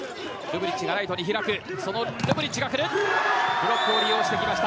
ブロックを利用してきました。